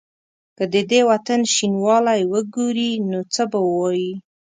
که د دې وطن شینوالی وګوري نو څه به وايي؟